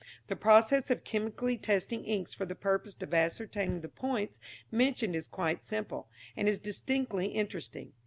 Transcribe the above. The process of chemically testing inks for the purpose of ascertaining the points mentioned is quite simple, and is distinctly interesting.